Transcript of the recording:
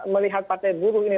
melihat partai buruh ini